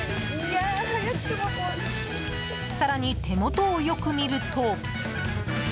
更に、手元をよく見ると。